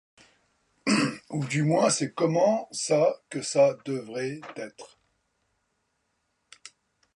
Ou du moins, c'est comment ça que ça devrait être.